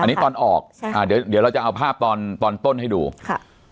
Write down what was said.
อันนี้ตอนออกใช่อ่าเดี๋ยวเดี๋ยวเราจะเอาภาพตอนตอนต้นให้ดูค่ะ